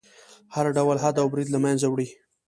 هر ډول حد او برید له منځه وړي.